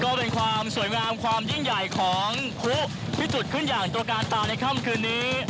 ก็เป็นความสวยงามความยิ่งใหญ่ของพลุที่จุดขึ้นอย่างตระการตาในค่ำคืนนี้